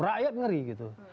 rakyat ngeri gitu